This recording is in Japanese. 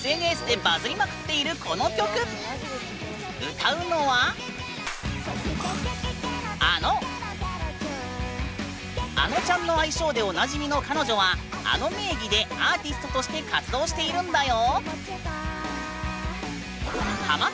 歌うのはあのちゃんの愛称でおなじみの彼女はａｎｏ名義でアーティストとして活動しているんだよ！